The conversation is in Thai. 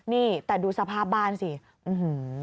นี่แต่ดูสภาพบ้านสิอื้อหือ